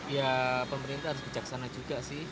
ya pemerintah harus bijaksana juga sih